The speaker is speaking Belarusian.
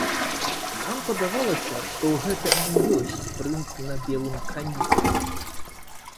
Нам падавалася, што гэта і ёсць прынцы на белым кані.